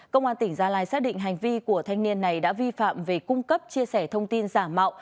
công an tỉnh gia lai xác định hành vi của thanh niên này đã vi phạm về cung cấp chia sẻ thông tin giả mạo